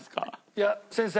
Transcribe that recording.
いや先生。